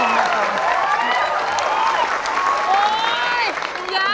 ขอบคุณมากมันยังไง